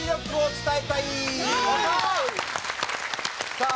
さあ